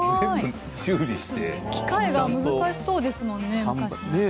機械が難しいそうですよね。